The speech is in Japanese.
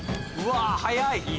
うわ早い。